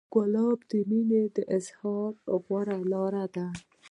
ګلاب د مینې د اظهار غوره لاره ده.